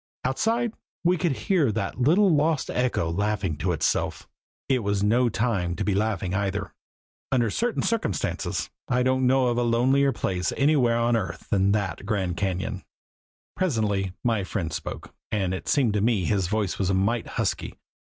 Outside we could hear that little lost echo laughing to itself. It was no time to be laughing either. Under certain circumstances I don't know of a lonelier place anywhere on earth than that Grand Cañon. Presently my friend spoke, and it seemed to me his voice was a mite husky.